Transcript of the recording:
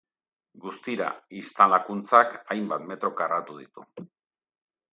Guztira, instalakuntzak hainbat metro karratu ditu.